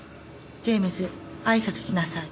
ジェームズあいさつしなさい。